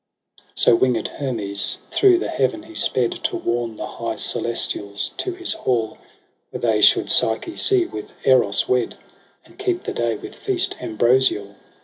16 So winged Hermes through the heaVen he sped, To. warn the high celestials to his hall, Where they shouM Pfeyche see with Eros wed. And keep the day with feast ambrosial.